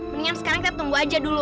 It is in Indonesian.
mendingan sekarang kita tunggu aja dulu